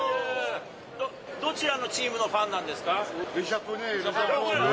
どちらのチームのファンなんですか？